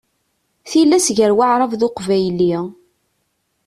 Tilas gar Waεrab d Uqbayli.